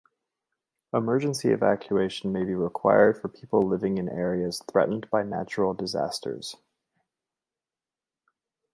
Emergency evacuation may be required for people living in areas threatened by natural disasters.